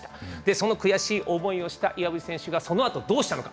その悔しい思いをした岩渕選手がそのあと、どうしたのか。